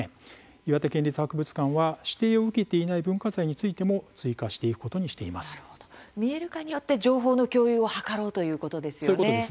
岩手県立博物館は指定を受けていない文化財についても見える化によって情報の共有を図ろうということですね。